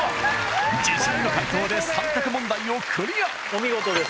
自信の解答で３択問題をクリアお見事です